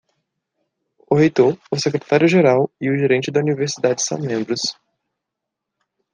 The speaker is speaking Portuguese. O reitor, o secretário geral e o gerente da universidade são membros.